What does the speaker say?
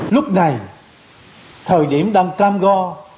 lúc này thời điểm đang cam go